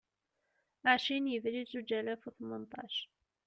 Ɛecrin Yebrir Zuǧ alas u Tmenṭac